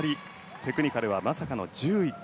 テクニカルは、まさかの１０位。